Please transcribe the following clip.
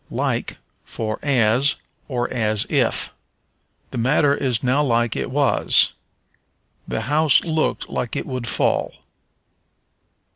Like for As, or As if. "The matter is now like it was." "The house looked like it would fall."